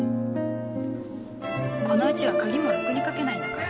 このうちは鍵もろくにかけないんだから。